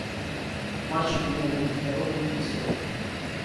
Мальчик имел вид здоровый и веселый.